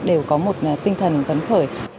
đều có một tinh thần vấn khởi